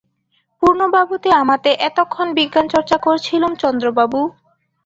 পূর্ণবাবুতে আমাতে এতক্ষণ বিজ্ঞানচর্চা করছিলুম চন্দ্রবাবু!